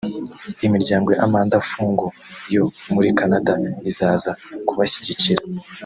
Imiryango ya Amanda Fung yo muri Canada izaza kubashyigikira